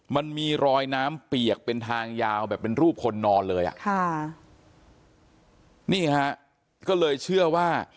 มันมีรอยน้ำเปียกเป็นทางยาวแบบเป็นรูปคนนอนเลยอ่ะค่ะนี่ฮะก็เลยเชื่อว่า